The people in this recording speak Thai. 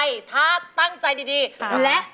อายุ๒๔ปีวันนี้บุ๋มนะคะ